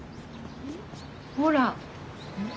ほら。